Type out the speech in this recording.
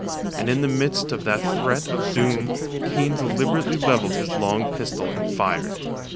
And in the midst of feat threat of doom, Kane deliberately levelled his long pistol and fired.